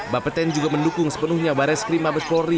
bapak ten juga mendukung sepenuhnya baris krimabes polri